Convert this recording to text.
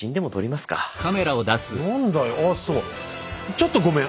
ちょっとごめん。